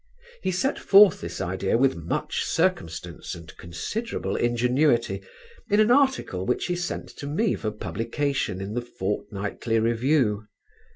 He set forth this idea with much circumstance and considerable ingenuity in an article which he sent to me for publication in The Fortnightly Review.